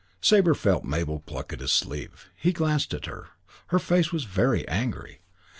Sabre felt Mabel pluck at his sleeve. He glanced at her. Her face was very angry.